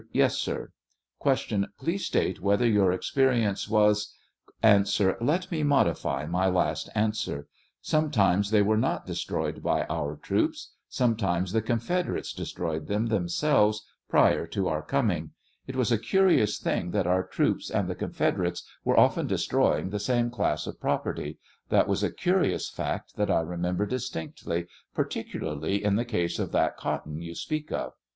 Yes, sir. Q. Please state whether your experience was A. Let me modify my last answer ; sometimes they were not destroyed by our troops; sometimes the Con 41 federates destroyed them themselves prior to our coming ; it was a curious thing that our troops and the Confederates were often destroying the same class of property ; that was a curious fact that I remember distinctly, particularly in the case of that cotton you speak of.